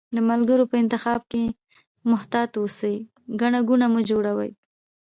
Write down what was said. د ملګرو په انتخاب کښي محتاط اوسی، ګڼه ګوڼه مه جوړوی